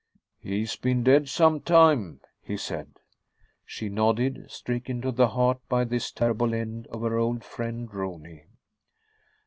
"He's been dead some time," he said. She nodded, stricken to the heart by this terrible end of her old friend Rooney.